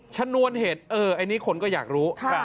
ชนวนเหตุอันนี้คนก็อยากรู้